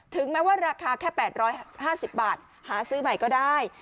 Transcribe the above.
ถึงแม้ว่าราคาแค่แปดร้อยห้าสิบบาทหาซื้อใหม่ก็ได้